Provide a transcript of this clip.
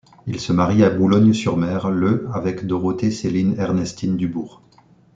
Il se marie à Boulogne-sur-Mer, le avec Dorothée Céline Ernestine Dubourt.